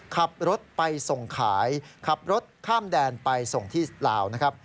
ขับรถไปส่งขายขับรถข้ามแดนไปส่งที่ลาวนะครับ